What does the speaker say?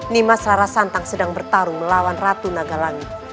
nimas rarasanta sedang bertarung melawan ratu nagalami